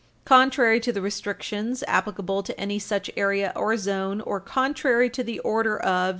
. contrary to the restrictions applicable to any such area or zone or contrary to the order of